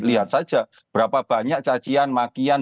lihat saja berapa banyak cacian makian